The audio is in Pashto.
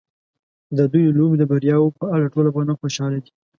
د دوی د لوبو د بریاوو په اړه ټول افغانان خوشاله دي.